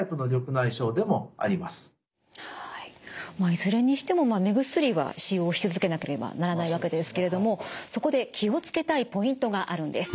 いずれにしても目薬は使用し続けなければならないわけですけれどもそこで気を付けたいポイントがあるんです。